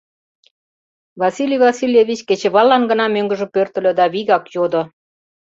Василий Васильевич кечываллан гына мӧҥгыжӧ пӧртыльӧ да вигак йодо: